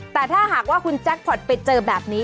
แต่ถ้าหากว่าคุณแจ็คพอร์ตไปเจอแบบนี้